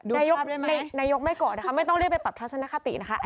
นายกไม่โกรธนะคะไม่ต้องเรียกไปปรับทัศนคตินะคะ